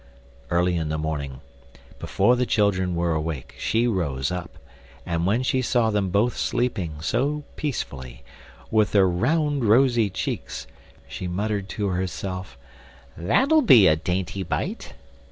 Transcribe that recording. Early in the morning, before the children were awake, she rose up, and when she saw them both sleeping so peacefully, with their round rosy cheeks, she muttered to herself: "That'll be a dainty bite."